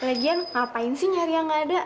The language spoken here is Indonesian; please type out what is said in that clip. lagian ngapain sih nyari yang gak ada